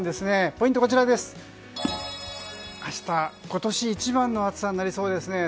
ポイントは、明日今年一番の暑さになりそうです。